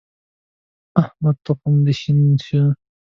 احمده! تخم دې شين شه.